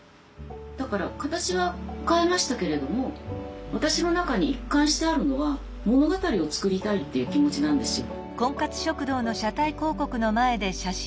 だから形は変えましたけれども私の中に一貫してあるのは物語を作りたいっていう気持ちなんですよ。